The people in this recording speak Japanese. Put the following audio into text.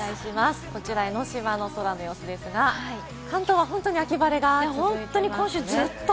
こちら、江の島の空の様子ですが、関東は本当に秋晴れが続いてますね。